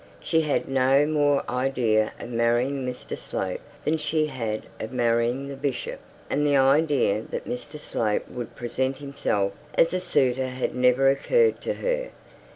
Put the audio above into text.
She had no more idea of marrying Mr Slope than she had of marrying the bishop; and the idea that Mr Slope would present himself as a suitor had never occurred to her.